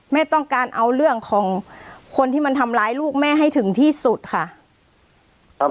แม่ต้องการเอาเรื่องของคนที่มันทำร้ายลูกแม่ให้ถึงที่สุดค่ะ